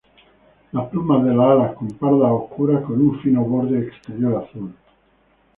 Las plumas de las alas con pardas oscuras con un fino borde exterior azul.